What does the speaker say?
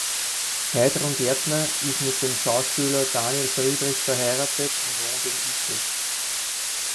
Heidrun Gärtner ist mit dem Schauspieler Daniel Friedrich verheiratet und wohnt in Icking.